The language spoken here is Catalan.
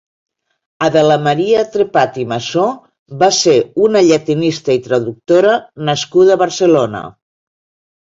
Adela Maria Trepat i Massó va ser una llatinista i traductora nascuda a Barcelona.